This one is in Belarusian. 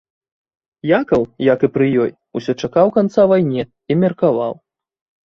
Якаў, як і пры ёй, усё чакаў канца вайне і меркаваў.